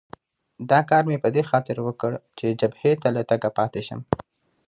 دا کار مې په دې خاطر وکړ چې جبهې ته له تګه پاتې شم.